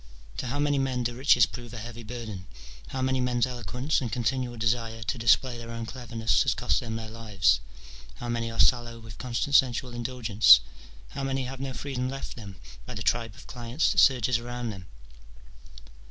To how many men do riches prove a heavy burden ? how many men's eloquence and continual desire to display their own cleverness has cost them their lives ?^ how many are sallow with constant sensual indulgence ? how many have no freedom left them by the tribe of clients that surges around them